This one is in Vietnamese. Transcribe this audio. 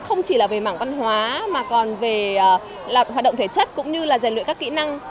không chỉ là về mảng văn hóa mà còn về hoạt động thể chất cũng như là giàn luyện các kỹ năng